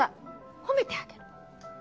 褒めてあげる。